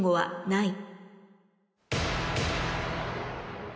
ない。